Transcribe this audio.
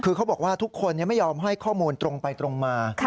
คือเขาบอกว่าทุกคนไม่ยอมให้ข้อมูลตรงไปตรงมา